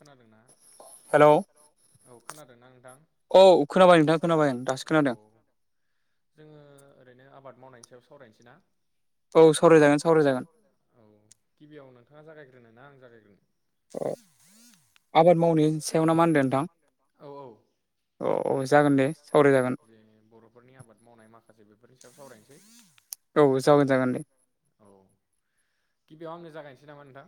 खोनादोंना? हेलौ, औ खोनाबाय नोंथां खोनाबाय दासो खोनादों। जोङो ओरैनो आबाद मावनायनि सायाव सावरायनोसै ना? औ सावरायजागोन सावरायजागोन। औ गिबियाव नोंथाङा जागायग्रोनो ना आं जागायग्रोनो? औ। आबाद मावनायनि सायाव ना मा होनदों नोंथां? औ औ जागोन दे सावराय जागोन। [unintelligible] [unintelligible] आबाद मावनाय माखासे बेफोरनि सायाव सावरायनोसै। औ [unintelligible] जागोन दे। औ गिबियाव आंनो जागायनोसै नामा नोंथां?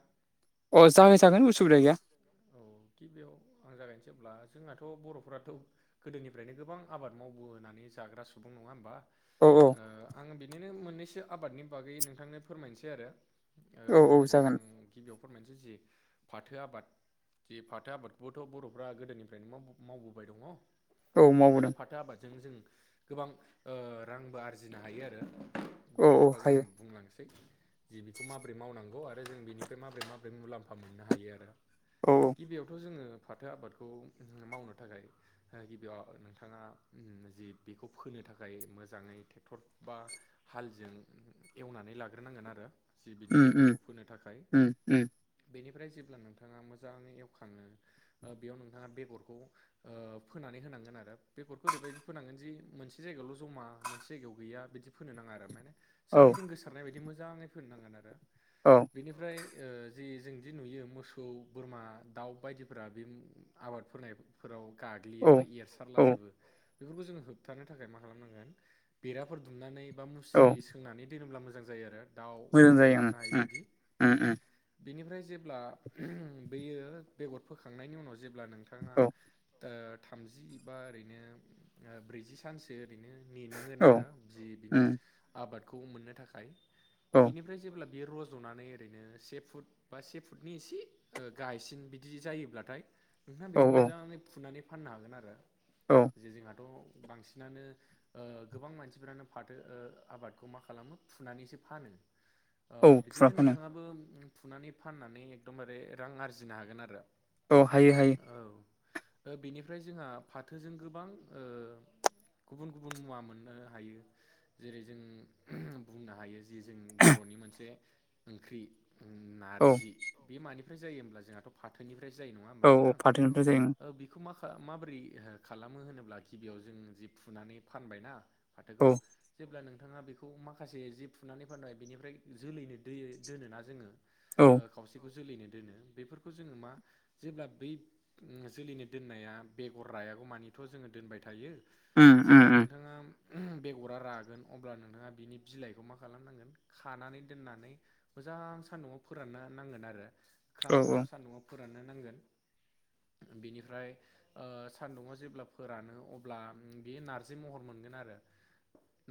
[unintelligible] औ गिबियाव आं जागायनोसै अब्ला जोंहाथ' बर'फोराथ' गोदोनिफ्रायनो गोबां आबाद मावबोनानै जाग्रा सुबुं नङा होमबा? ओ आं बिदिनो मोननैसो आबादनि बागै नोंथांनो फोरमायनोसै आरो। ओ जेरै आं गिबियाव फोरमायनोसै जि फाथो आबाद जि फाथो आबादखौबोथ' बरफ्रा गोदोनिफ्रायनो मावबो-मावबोबाय दङ। आरो फाथो आबादजों जों गोबां ओ रांबो आरजिनो हायो आरो। बेफोरनि बागै आं बुंलांसै। जि बेखौ माबोरै मावनांगौ आरो जों बिनिफ्राय माबोरै - माबोरै मुलाम्फा मोननो हायो आरो। गिबियावथ' जोंङो फाथो आबादखौ मावनो थाखाय गिबियाव नोंथाङा जि बेखौ फोनो थाखाय मोजांङै ट्रेक्टर बा हालजों एवनानै लाग्रोनांगोन आरो। जि बिनि बेगरखौ फोनो थाखाय बेनिफ्राय जेब्ला नोंथाङा मोजाङै एवखाङो। बेयाव नोंथाङा बेगरखौ ओ फोनानै होनांगोन आरो। बेगरखौ ओरैबायदि फोनांगोन जि मोनसे जायगायावल' जमा मोनसे जायगायाव गैया बिदि फोनो नांङा आरो माने सोरगिदिं गोसारनाय बायदि मोजाङै फोनो नांगोन आरो। औ। बेनिफ्राय ओ जि जों जि नुयो मोसौ बोरमा दाउ बायदिफोरा बे आबाद फोनाय -फोराव गाग्लियोबा एरसारलाजोबो बेफोरखौ जोंङो होबथानो थाखाय मा खालामनांगोन बेराफोर दुमनानै बा मुस्रि [unintelligible] सोंनानै दोनोब्ला मोजां जायो आरो। दाउ, अमाफोर हाबनो हायि बायदि। बिनिफ्राय जेब्ला बेयो- बेगर फोखांनायनि उनाव जेब्ला नोंथाङा ओ थामजि बा ओरैनो ओ ब्रैजिसो- सानसो ओरैनो नेनांगोन आरो जि बिनि आबादखौ मोननो थाखाय। बिनिफ्राय जेब्ला बियो रज'नानै ओरैनो से फुट बा से फुटनि एसे गायसिन बिदि जायोब्लाथाय नोंथाङा बेखौ मोजाङै फुनानै फाननो हागोन आरो औ जोंहाथ' बांसिनानो ओ गोबां मानसिफ्रानो फाथो ओ आबादखौ मा खालामो फुनानैसो फानो ओ बिदिनो नोंथाङाबो फुनानै फाननानै एकदमबारे रां आरजिनो हागोन आरो। औ बेनिफ्राय जोंहा फाथोजों गोबां ओ गुबुन -गुबुन मुवा मोननो हायो जेरै जों बुंनो हायो जि जों बर'नि मोनसे ओंख्रि नारजि बे मानिफ्राय जायोब्ला जोंहाथ' फाथोनिफ्राय जायो नङा होनबा नोंथां बेखौ मा माबोरै खालामो होनोब्ला गिबियाव जों जि फुनानै फानबायना फाथोखौ जेब्ला नोंथाङा बेखौ माखासे जिब फुनानै फाननाय बेनिफ्राय जोलैनो दोनोना जोङो खावसेखौ जोलैनो दोनो बेफोरखौ जोङो मा जेब्ला बै जोलैनो दोननाया बेगर रायागौमानिथ' जोङो दोनबाय थायो। जेब्ला नोंथाङा बेगरा रागोन अब्ला नोंथाङा बिनि बिलाइखौ मा खालामनांगोन खानानै दोननानै मोजां सान्दुंङाव फोराननो नांगोन आरो ख्राम ख्राम सान्दुंआव फोराननो नांगोन बिनिफ्राय ओ सान्दुङाव जेब्ला फोरानो अब्ला बेयो नार्जि महर मोनगोन आरो।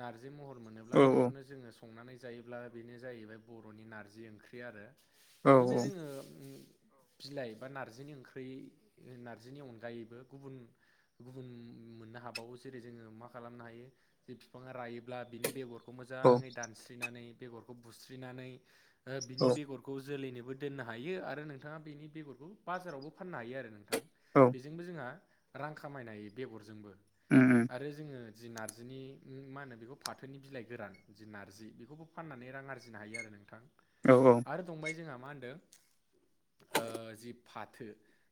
नारजि महर मोनोब्ला बेखौनो जोङो संनानै जायोब्ला बेनो जाहैबाय बर'नि नारजि ओंख्रि आरो बिदिनो जोङो ओ बिलाइ बा नारजिनि ओंख्रि नार्जिनि अनगायैबो गुबुन गुबुन मोननो हाबावो जेरै जोङो मा खालामनो हायो जे बिफाङा रायोब्ला बिनि बेगरखौ मोजांङै दानस्रिनानै बेगरखौ बुस्रिनानै ओ बिनि बेगरखौ खौ जोलैनोबो दोननो हायो आरो नोंथाङा बेनि बेगरखौ बाजारावबो फाननो हायो आरो नोंथाङा। थां बेजोंबो जोंहा रां खामायनो हायो बेगरजोंबो उम आरो जोङो जि नार्जिनि मा होनो बेखौ फाथोनि बिलाइ गोरान जि नारजि बेखौबो फाननानै रां आरजिनो हायो आरो नोंथां। औ औ आरो दंबावो जोंहा मा होनदों ओ जि फाथो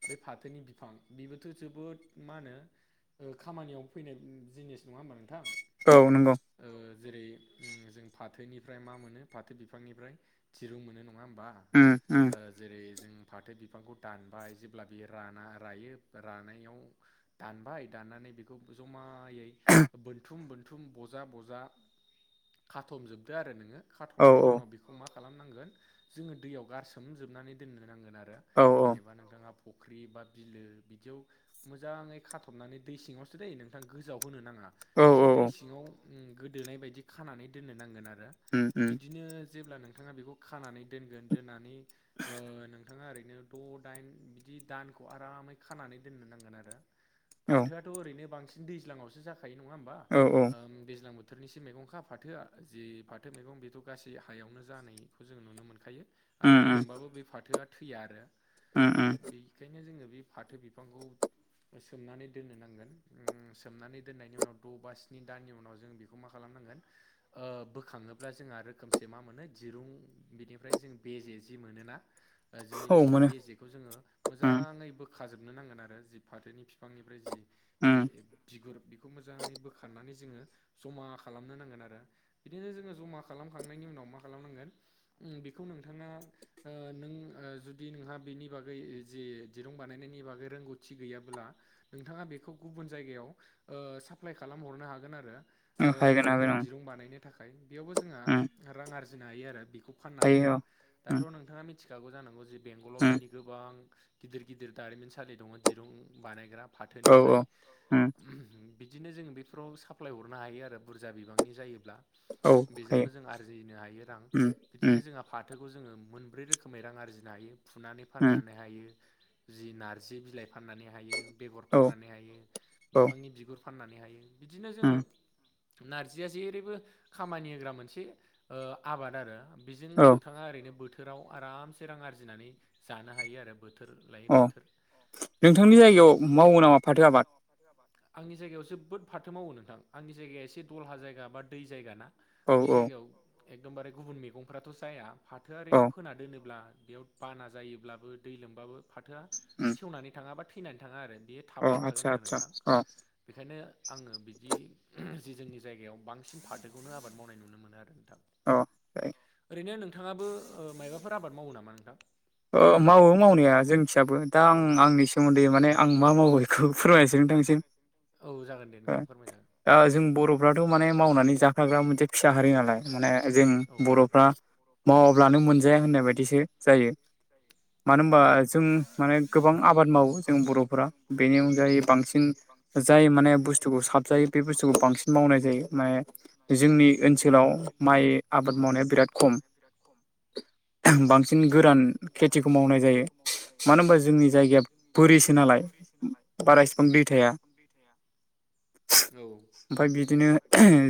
बे फाथोनि बिफां बेबोथ' जोबोद मा होनो ओ खामानियाव फैनाय जिनिस नङा होमबा नोंथां। औ नंगौ। ओ जेरै जों फाथोनिफ्राय मा मोनो फाथो बिफांनिफ्राय दिरुं मोनो नङा होमबा। उम उम। जेरै जों फाथो बिफांखौ दानबाय जेब्ला बे राना रायो रानायाव दानबाय दाननानै बेखौ जमायै बोनथुम बोनथुम बजा बजा खाथमजोबदो आरो नोङो खाथमनायनि उनाव बेखौ मा खालामनांगोन जोङो दैयाव गारसो सोमजोबनानै दोननो नांगोन आरो जेनेबा नोंथाङा फुख्रि बा बिलो बिदियाव मोजाङै खाथबनानै दै सिङावसो दैे नोंथां गोजाव होनो नाङा एसे दै सिङाव गोदोनाय बायदि खानानै दोननो नांगोन आरो। बिदिनो जेब्ला नोंथाङा बेखौ खानानै दोनगोन दोननानै ओ नोंथाङा ओरैनो द' दाइन बिदि दानखौ आरामै खानानै दोननो नांगोन आरो। फाथोआथ' ओरैनो बांसिन दैज्लाङावसो जाखायो नङा होमबा दैज्लां बोथोराव बोथोरनिसे मैगंखा फाथोआ जि फाथो मैगं बेथ' गासै हायावनो जानायखौ जों नुनो मोनखायो। आरो दै लोमबाबो बे फाथोआ थैया आरो ओम ओम बेखायनो जोङो बे फाथो बिफांखौ सोमनानै दोननो नांगोन ओम सोमनानै दोननायनि उनाव द' बा स्नि दानानि उनाव जों बे मा खालामनांगोन ओ बोखाङोब्ला जोंहा रोखोमसे मा मोनो दिरुं बिनिफ्राय जों बेेजे जि मोनोना जि बिनि बेेजेखौ जोङो मोजाङै बो खाजोबनो नांगोन आरो जि फाथोनि बिफांनिफ्राय जि बे बिगुर बेखौ मोजाङै बोखारनानै जोङो जमा खालामनो नांगोन आरो बिदिनो जोङो जमा खालामखांनायनि उनाव मा खालामनांगोन बेखौ नोंथाङा ओ नों ओ जुदि नोंहा बेनि बागै जे दिरुं बानायनायनि बागै रोंगौथि गैयाब्ला नोंथाङा बेखौ गुबुन जायगायाव ओ साप्लाइ खालामहरनो हागोन आरो ओ बेखौ दिरुं बानायनो थाखाय बेयावबो जोंहा रां आरजिनो हायो आरो बेखौ फाननानैबो दाथ' नोंथाङा मिथिखागौ जानांगौ जे बेंगलाव बिनि गोबां गिदिर गिदिर दारिमिनसालि दङ दिरुं बानायग्रा फाथोनिफ्राय बिदिनो जोङो बेफोराव साप्लाय हरनो हायो आरो बुरजा बिबांनि जायोब्ला बेजोंबो जों आरजिनो हायो रां बिदिनो जोंहा फाथोखौ जोङो मोनब्रै रोखोमै रां आरजिनो हायो फुनानै फाननानै हायो जि नार्जि बिलाइ फाननानै हायो बेगर फाननानै हायो बिफांनि बिगुर फाननानै हायो। बिदिनो जोङो नारजिया जेरैबो खामानि होग्रा मोनसे ओ आबाद आरो बेजों नोंथाङा ओरैनो बोथोर थोराव आरामसे रां आर्जिनानै जानो हायो आरो बोथोर बोथोर लायै बोथोर औ नोंथां नोंगौ आंनि जायगायाव जोबोद फाथो मावो नोंथां आंनि जायगाया एसे दलहा जायगा बा दै जायगा ना बै जायगायाव एकदमबारे गुबुन मैगंफ्राथ' जाया फाथोआ ओरैनो फोना दोनोब्ला बेयाव बाना जायोब्लाबो दै लोंबाबो फाथोआ सेवनानै थाङा बा थैनानै थाङा आरो बेयो थाबायानो थागोन आरो नोंथां बेखायनो आङो बिबदि जि‌ जोंनि जायगायाव बां फाथोखौनो आबाद मावनाय नुनो मोनो आरो नोंथां। अह ओरैनो नोंथाङाबो मायबाफोर आबाद मावो नामा नोंथां ओ मावो मावनाया जोंनि थिसाबो दा आं आंनि सोमोन्दै माने आं मा मावो [unintelligible] ओ जों बर'फ्राथ' माने मावनानै जाखाग्रा मोनसे फिसा हारि नालाय माने जों बर'फ्रा मावाब्लानो मोनजाया होननाय बायदिसो जायो मानो होनबा जों माने गोबां आबाद मावो जों बर'फोरा बेनि अनगायै बांसिन जाय माने बुस्थुखौ साबजायो बे बुस्थुखौ बांसिन मावनाय जायो माने जोंनि ओनसोलाव ओनसोलाव आबाद मावनाया बिराद खम बांसिन गोरान गोरान खेथिखौ मावनाय जायो मानो होनबा जोंनि जायगाया बोरिसो नालाय बारा इसिबां दै थाया दै थाया। ओमफाय बिदिनो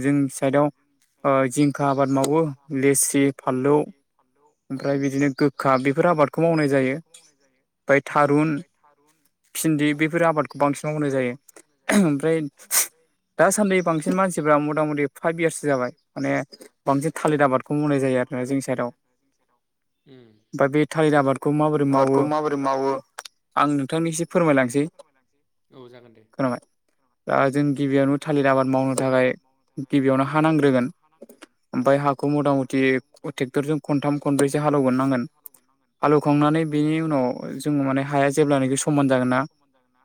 जोंनि साइडआव जिंखा आबाद माव वो लेसि फालौ ओमफ्राय बिदिनो गोखा गोखा बेफोर आबादखौ मावनाय जायो ओमफ्राय थारुन भिन्दि बेफोर आबादखौ बांसिन मावनाय जायो ओमफ्राय दासान्दि बांसिन मानसिफ्रा मथा मथि फाइभ यारसो जाबाय माने जे थालेद आबाद बांसिन थालेद आबादखौ मावनाय जायो आरो जोंनि साइआव ओम बाकि थालेद आबादखौ माबोरै मावो आं नोंथांनिसिम फोरमायलांसै औ जागोन दे। दा जों गिबियावनो थालिर आबाद मावनो थाखाय गिबियावनो हा नांग्रोगोन। ओमफ्राय हाखौ मथामथि ट्रेक्टरजों खनथाम खनब्रैसो हालौग्रोनांगोन। हालौखांनानै बेनि उनाव जोङो माने हाया जेब्लानाखि समान जागोन ना जागोन ना?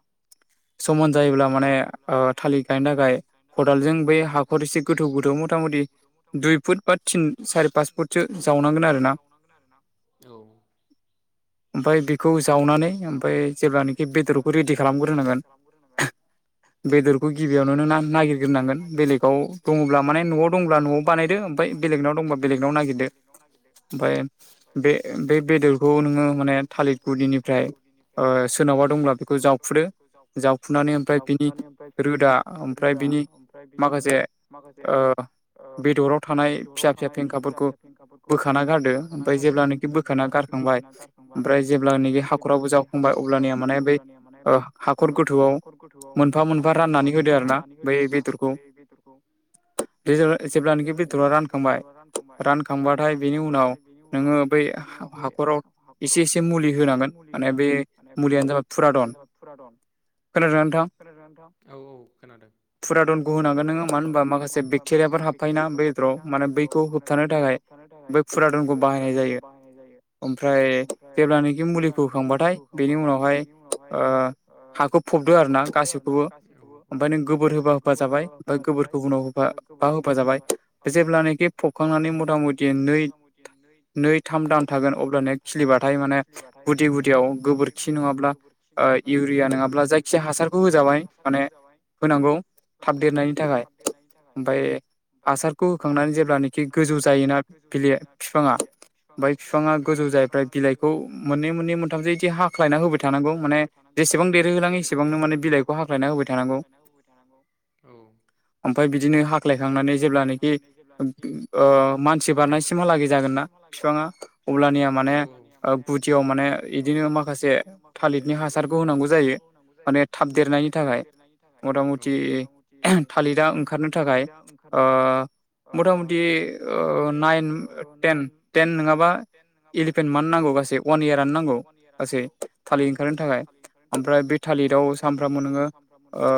समान जायोब्ला माने ओ थालिर गायनो थाखाय खदालजों बे हा पुट एसे गोथौ गोथौ मथा मथि दुइ फुट बा थिन सारि पास फुटसो जावनांगोन आरो ना। गोन आरो ना औ ओमफाय बेखौ जावनानै ओमफाय जेब्लानाखि बेदरखौ रेडि खालामग्रोनांगोन। बेदरखौ गिबियावनो नों ना-नागिरग्रोनांगोन बेलेगाव दङब्ला माने न'आव दंब्ला न'आव बानायदो ओमफाय बानायदो ओमफाय बेलेगनाव दंबा बेलेगनाव नागिरदो ओमफाय बे बेदरखौ नोङो माने थालिरगुदिनिफ्राय ओ सोरनावा दंब्ला बेखौ जावखुदो जावखुनानै ओमफ्राय बिनि रोदा ओमफ्राय बिनि माखासे ओ बेदराव थानाय फिसा फिसा फेंखाफोरखौ बोखाना गारदो ओमफाय जेब्ला बोखोना गारखांबाय ओमफ्राय जेब्लानोखि हाखराबबो जावफांबाय अब्लानिया माने बै हाखर गोथौआव मोनफा मोनफा राननानै होदो आर ना बै बेदरखौ [unintelligible] जेब्लानिखि बे जेब्लानोखि बेदरा रानखांबाय रानखांबाथाय बेनि उनाव नोङो बै हाखराव एसे एसे मुलि होनांगोन माने बे मुलियानो जाबाय पुरादन खोनादोंना नोंथां? खोनादों ना नोंथां औ औ खोनादों। पुरादन ग होनांगोन नोङो मानो होनबा माखासे बेक्टेरियाफोर हाबफायो ना बेदराव माने बैखौ होबथानो थाखाय बे पुरादनखौ बाहायनाय जायो। नाय जायो ओमफ्राय जेब्लानोखि मुलिखौ होखांबाथाय बेनि उनावहाय ओ हाखौ फबदो आरो ना गाैखौबो औ ओमफ्राय नों गोबोर होबा होफा जाबाय बा गोबोरखौ उनाव होफा होफा जाबाय जेब्लानाखि फबखांनानै मथा मथि गेन्दै थाम दाम थागोन अब्लानो खिलिबाथाय माने गुदि गुदियाव गोबोरखि नङाब्ला इउरिया नङाब्ला जायखिजाया हासारखौ होजाबाय माने होनांगौ। थाबदेरनायनि थाखाय ओमफाय हासारखौ होखांनानै जेब्लानोखि गोजौ जायोना बि [unintelligible] फिफाङा ओमफाय फिफाङा गोजौ जायोबाथाय बिलाइखौ मोननै मोननै मोनथामसो इदि हाख्लायना होबाय थानांगौ माने थानांगौ माने जेसेबां देरहोलां एसेबांनो माने बिलाइखौ हाख्लायना होबोबाय थानांगौ औ ओमफाय बिदिनो हाख्लायखांनानै जेब्लानोखि ओ मानसि बारनायसिमहालागै जागोनना फिफाङा औ होमबानिया माने ओ गुदियाव माने माखासे थालिरनि हासारबो होनांगौ जायो माने थाबदेरनायनि थाखाय औ मथा मथि [unintelligible] थालिरआ ओंखारनो थाखाय ओ मथा मथि नाइन टेन नङाबा इलिभेन मान्ट नांगौ गासै उवान इयारानो नांगौ गासै। थालिर ओंखारनो थाखाय ओमफ्राय बे थालिराव सानफ्रामबो नोङो ओ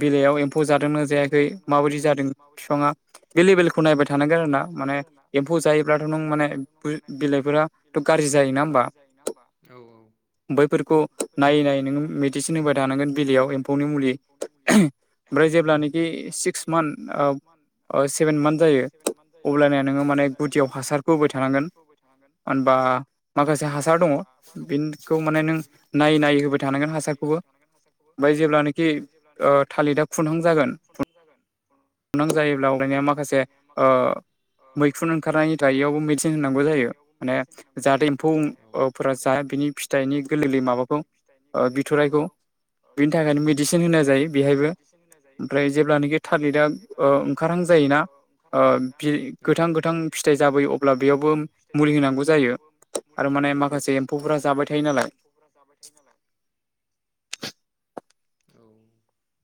बिलाइयाव ए फौ जादोंना जायाखै माबायदि जादों बिफाङा बे लेबेलखौ नायबाय थानांगोन आरो ना माने एम्फौ जायोब्लाथ' नों माने थ' नों माने बिलाइफोराथ' गाज्रि जायोना होमबा औ औ बैफोरखौ नायै नायै नोङो मेडिसिन होबाय थानांगोन बिलायाव एम्फौनि मुलि। ओमफ्राय जेब्लानोखि सिक्स मान्थ सेभेन मान्थ जायो। अब्लानिया नोङो माने गुदियाव हासारखौ होबाय थानांगोन होनबा माखासे हा हासारा दङ बेनिखौ माने नों नायै नायै होबाय थानांगोन हासारखौबो। खौबो औ ओमफ्राय जेब्लानोखि ओ थालिर दा खुनहां जागोन [unintelligible] गोनां जायोब्ला आवगायनिया माखासे ओ मैखुन ओंखारनायनि दायियावबो मिथ न होनांगौ जायो माने जाहाते एम्फ औ जाहाथे एम्फौफोरा जाया बिनि फिथाइनि गोलै गोलै माबाखौ बिनि थाखायनो मेडिसिन होनाय जायो बेहायबो ओमफ्राय जेब्लानोखि थालिदआ ओ ओंखारहां जायोना ओ बि गोथां गोथां फिथाइ जाबोयो अब गोथां गोथां फिथाइ जाबोयो अब्ला बेयावबो आरो माने माखासे एम्फौफोरा जाबाय थायो नालाय फोरा जाबाय थायो नालाय औ।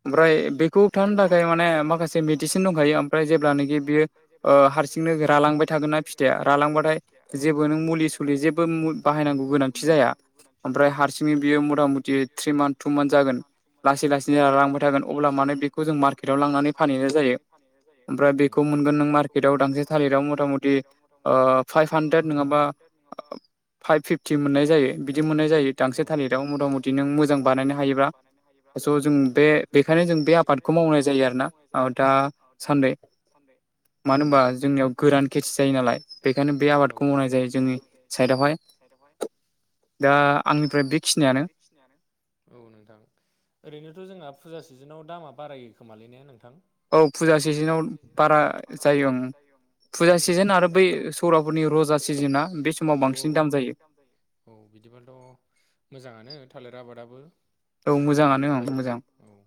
ओमफ्राय बे खौ थारनो थाखाय माने माखासे मेडिसिन दंखायो ओमफ्राय जेब्लानोखि बियो ओ हारसिंनो रालांबाय हारसिंनो रालांबाय थागोन ना फिथाइया रालांबाथाय जेबो नों मुलि सुलि जेबो मुं बाहायनांगौ गोनां ओमफ्राय हारसिङै बियो मथा मथि थ्रि मान्थ टु मान्थ जागोन लासै लासैनो आराम थागोन अब्ला माने बेख अब्ला माने बेखौ जों मार्केटआव लांनानै फानहैनाय जायो ओमफ्राय बेखौ मोनगोन नों मार्केटआव दांसे थालिराव मथा मथि ओ फाइभ हान्द्रेद नङाबा फाइभ फिफ्टि मोननाय जायो बिदि मोननाय जायो दांसे थालिराव मथा मथि नों मोजां बानायनो हायोब्ला। [unintelligible] जों बे बेखायनो जों बे बेखायनो जों बे आबादखौ मावनाय जायो आरोना ओ दा सान्दै मानो होनबा जोंनियाव गोरान खेथि जायो नालाय बेखायनो बे आबादखौ मावनाय जायो जोंनि साइडआवहाय। साइदावहाय दा आंनिफ्राय बेखिनियानो। खिनियानो औ नोंथां ओरैनोथ' जोंना फुजा सिजोनाव दामा बारायो खोमालै ने नोंथां? औ फुजा सिजोनाव बारा जायो ओं फुजा सिजोन आरो बै बै सौराफोरनि रजा सिजना औ औ बे समाव बांसिन दाम जायो। औ बिदिब्लाथ' मोजाङानो थालिर आबादाबो। गुबुन आबादफोरबायदि औ।